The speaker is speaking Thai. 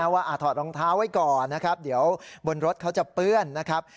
ถอดรองเท้าไว้ก่อนนะครับเดี๋ยวบนรถเขาจะเปื้อนนะครับ